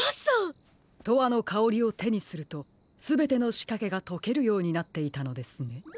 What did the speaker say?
「とわのかおり」をてにするとすべてのしかけがとけるようになっていたのですね。